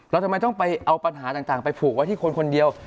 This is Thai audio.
ทำไมต้องไปเอาปัญหาต่างไปผูกไว้ที่คนคนเดียว